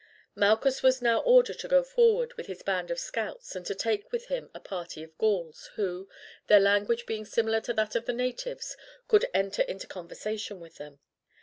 Malchus was now ordered to go forward with his band of scouts, and to take with him a party of Gauls, who, their language being similar to that of the natives, could enter into conversation with them.